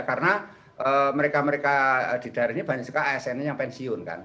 karena mereka mereka di daerah ini banyak sekali asn yang pensiun kan